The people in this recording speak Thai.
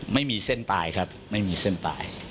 ไม่มีเส้นตายครับไม่มีเส้นตาย